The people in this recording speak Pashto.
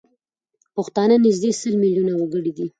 پښتانه نزدي سل میلیونه وګړي دي